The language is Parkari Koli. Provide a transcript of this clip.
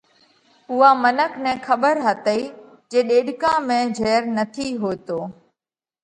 اُوئا منک نئہ کٻر هتئِي جي ڏيڏڪا ۾ جھير نٿِي هوئيتو